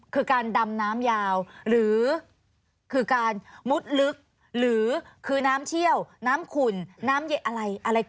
คือการดำน้ำยาวหรือคือการมุดลึกหรือคือน้ำเชี่ยวน้ำขุ่นน้ำเยอะอะไร